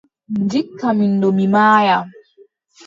Ndikka min ɗon mi maaya.